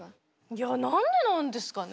いや何でなんですかね？